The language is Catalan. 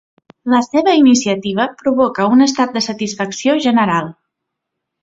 La seva iniciativa provoca un estat de satisfacció general.